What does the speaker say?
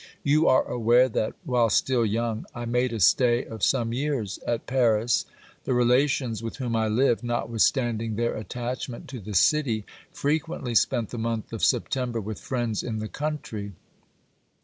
You are aware that, while still young, I made a stay of some years at Paris. The relations with whom I lived, OBERMANN 51 notwithstanding their attachment to the city, frequently spent the month of September with friends in the country.